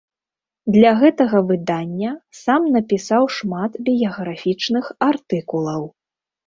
Для гэтага выдання сам напісаў шмат біяграфічных артыкулаў.